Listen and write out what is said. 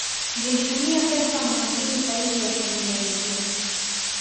Zilitumia pesa mara mbili zaidi ya familia nyingine